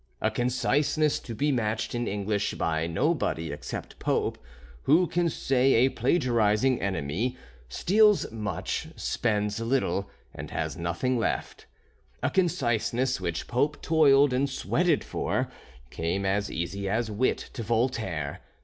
A conciseness to be matched in English by nobody except Pope, who can say a plagiarizing enemy "steals much, spends little, and has nothing left," a conciseness which Pope toiled and sweated for, came as easy as wit to Voltaire.